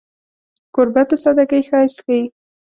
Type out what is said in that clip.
کوربه د سادګۍ ښایست ښيي.